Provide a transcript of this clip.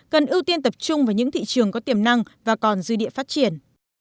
cần ưu tiên tập trung vào những thị trường có tiềm năng và còn dư địa phát triển